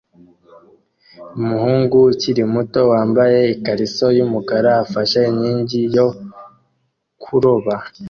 Umuhungu ukiri muto wambaye ikariso yumukara afashe inkingi yo kuroba